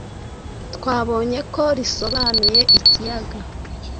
twabonye ko risobanuye “ikiyaga”